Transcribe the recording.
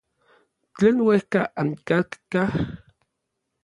Tlen uejka ankatkaj.